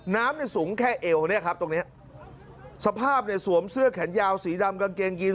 น้ำสูงแค่เอวสภาพสวมเสื้อแขนยาวสีดำกางเกงยีน